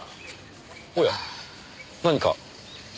おや何か？